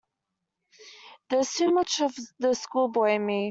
There's too much of the schoolboy in me.